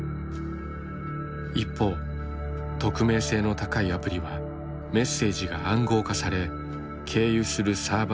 一方匿名性の高いアプリはメッセージが暗号化され経由するサーバーの所在もつかみづらい。